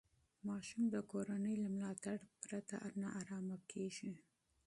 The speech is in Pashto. ماشوم د کورنۍ له ملاتړ پرته نارامه کېږي.